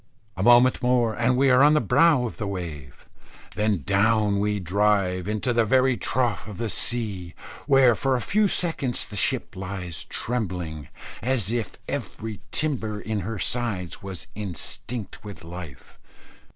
A moment more and we are on the brow of the wave, then down we drive into the very trough of the sea, where, for a few seconds, the ship lies trembling, as if every timber in her sides was instinct with life.